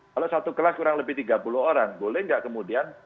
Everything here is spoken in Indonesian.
kalau satu kelas kurang lebih tiga puluh orang boleh nggak kemudian